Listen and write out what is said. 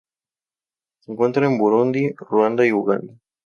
Se encuentra en Burundi, Ruanda y Uganda.